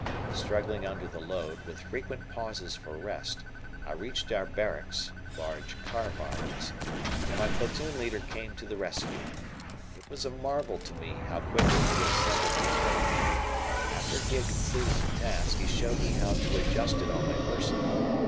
Struggling under the load, with frequent pauses for rest, I reached our barracks (large car barns), and my platoon leader came to the rescue. It was a marvel to me how quickly he assembled the equipment. After he had completed the task, he showed me how to adjust it on my person.